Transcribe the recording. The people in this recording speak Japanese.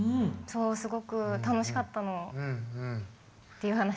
すごく楽しかったの。っていう話。